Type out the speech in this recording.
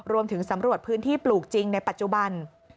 รวมถึงสำรวจพื้นที่ปลูกจริงในปัจจุบัน